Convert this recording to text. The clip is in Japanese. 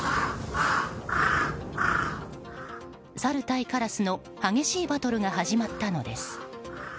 サル対カラスの激しいバトルが始まったのです。